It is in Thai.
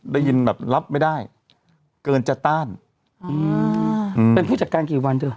ได้ยินแบบรับไม่ได้เกินจะต้านอืมเป็นผู้จัดการกี่วันเถอะ